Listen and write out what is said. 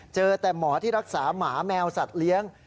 เจอแต่หมอที่รักษาหมาแมวสัตว์เลี้ยง